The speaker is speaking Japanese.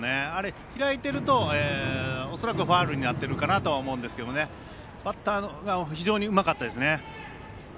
開いていると恐らくファウルになっていると思いますがバッターが非常にうまかったです。